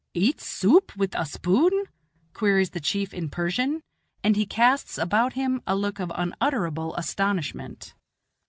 "Eat soup with a spoon?" queries the chief in Persian; and he casts about him a look of unutterable astonishment.